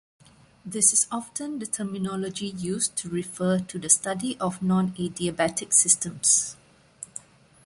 This is often the terminology used to refer to the study of nonadiabatic systems.